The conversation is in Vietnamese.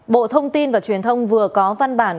bộ thông tin và truyền thông vừa có văn bản